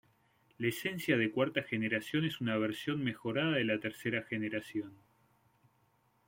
La esencia de cuarta generación es una versión mejorada de la tercera generación.